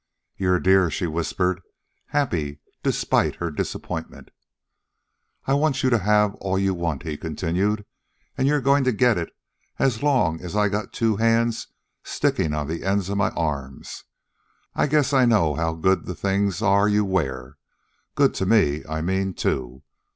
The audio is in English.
"You're a dear," she whispered, happy despite her disappointment. "I want you to have all you want," he continued. "An' you're goin' to get it as long as I got two hands stickin' on the ends of my arms. I guess I know how good the things are you wear good to me, I mean, too.